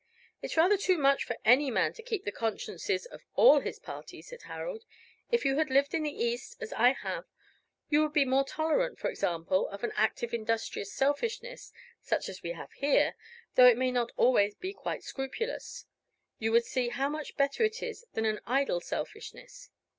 "It is rather too much for any man to keep the consciences of all his party," said Harold. "If you had lived in the East, as I have, you would be more tolerant, for example, of an active industrious selfishness, such as we have here, though it may not always be quite scrupulous: you would see how much better it is than an idle selfishness.